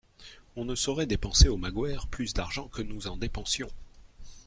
On ne saurait dépenser au Magoër plus d'argent que nous en dépensions.